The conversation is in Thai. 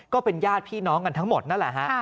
ก็เป็นญาติพี่น้องกันทั้งหมดนั่นแหละฮะ